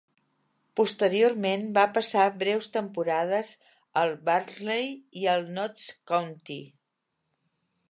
Posteriorment va passar breus temporades al Barnsley i al Notts County.